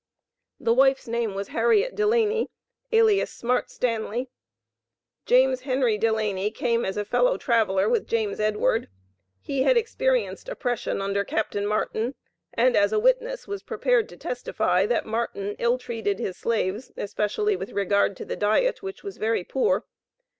The wife's name was Harriet Delaney, alias Smart Stanley. James Henry Delaney came as a fellow traveler with James Edward. He had experienced oppression under Capt. Martin, and as a witness, was prepared to testify, that Martin "ill treated his Slaves, especially with regard to the diet, which was very poor."